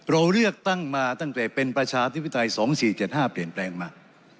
เราเลือกตั้งมาตั้งแต่เป็นประชาธิปไตย๒๔๗๕เปลี่ยนแปลงมา